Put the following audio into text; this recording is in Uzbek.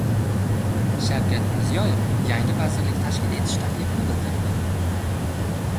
Shavkat Mirziyoyev yangi vazirlik tashkil etish taklifini bildirdi